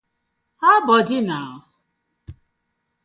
How bodi na?